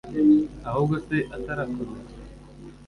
ahubwo se………. atarakomeza,